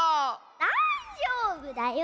だいじょうぶだよ。